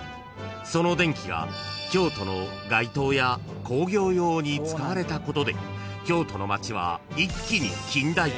その電気が京都の街灯や工業用に使われたことで京都の街は一気に近代化］